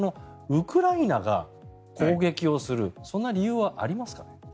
ウクライナが攻撃をするそんな理由はありますか？